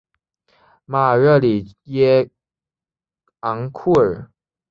马尔热里耶昂库尔。